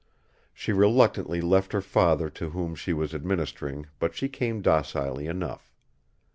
She reluctantly left her father to whom she was administering, but she came docilely enough.